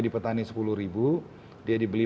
di petani sepuluh ribu dia dibeli